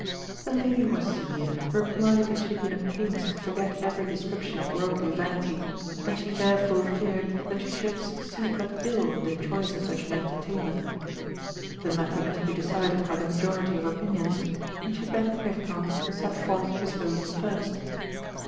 The Lady Oisille replied that she had been at pains to forget every description of worldly vanity, and she therefore feared that she should succeed but ill in the choice of such an entertainment. The matter must be decided by the majority of opinions, and she begged Hircan to set forth his own first.